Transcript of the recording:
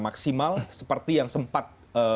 maksimal seperti yang sempat